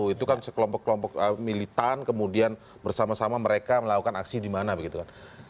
itu kan sekelompok kelompok militan kemudian bersama sama mereka melakukan aksi di mana begitu kan